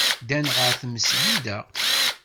Ddan ɣer tmesgida.